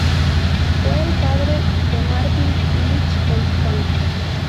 Fue el padre de Martin Lichtenstein.